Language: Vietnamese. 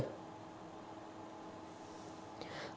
tội giết người